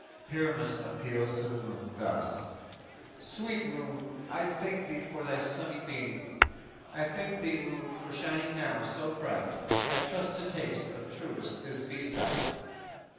"_ Pyramus appeals to the moon thus: _"Sweet moon, I thank thee for thy sunny beams, I thank thee, moon, for shining now so bright, I trust to taste of truest Thisby's sight!"